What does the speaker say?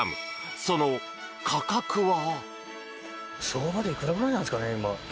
その価格は。